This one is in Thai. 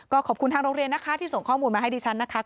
ก็ขอบคุณทางโรงเรียนนะคะที่ส่งข้อมูลมาให้ดิฉันนะคะ